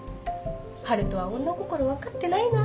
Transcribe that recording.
晴翔は女心分かってないな。